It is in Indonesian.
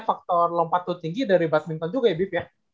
faktor lompat itu tinggi dari badminton juga ya bip ya